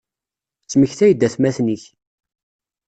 Ttmektay-d atmaten-ik.